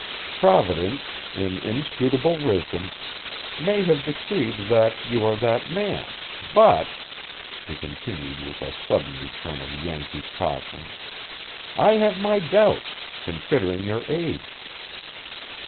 Providence, in inscrutable wisdom, may have decreed that you are that man, but," she continued with a sudden return of Yankee caution, "I have my doubts, considering your age.